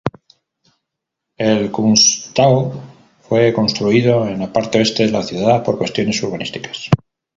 El Kunsthaus fue construido en la parte oeste de la ciudad por cuestiones urbanísticas.